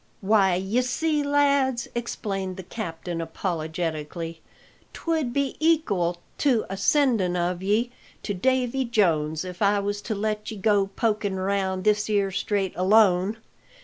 "Why, y'see, lads," explained the captain apologetically, "'twould be ekal to a sendin' of ye to Davy Jones if I was to let ye go pokin" round this 'ere Strait alone.